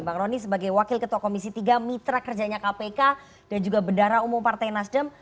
bang rony sebagai wakil ketua komisi tiga mitra kerjanya kpk dan juga bendara umum partai nasdem